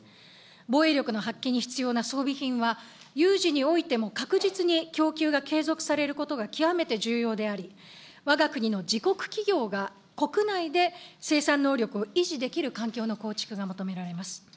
防衛力の発揮に必要な装備品は、有事においても、確実に供給が継続されることが極めて重要であり、わが国の自国企業が、国内で生産能力を維持できる環境の構築が求められます。